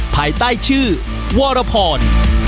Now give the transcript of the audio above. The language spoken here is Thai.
ภายใต้ชื่อวรพร